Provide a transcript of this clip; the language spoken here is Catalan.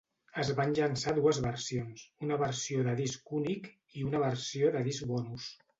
Es van llançar dues versions; una versió de disc únic i una versió de disc bonus.